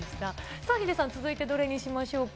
さあヒデさん、続いてどれにしましょうか。